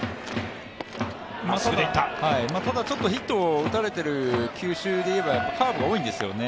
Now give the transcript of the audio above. ただヒットを打たれている球種で言うとカーブが多いんですよね。